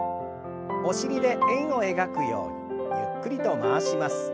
お尻で円を描くようにゆっくりと回します。